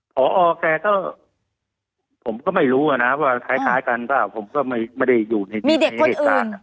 พอออแกก็ผมก็ไม่รู้อ่ะนะว่าคล้ายคล้ายกันค่ะผมก็ไม่ไม่ได้อยู่ในมีเด็กคนอื่น